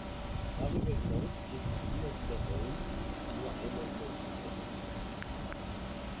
Darüber hinaus spricht sie immer wieder Rollen, die nur einmal in der Serie auftauchen.